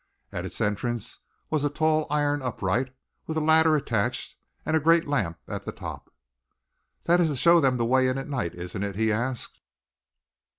At its entrance was a tall iron upright, with a ladder attached and a great lamp at the top. "That is to show them the way in at night, isn't it?" he asked.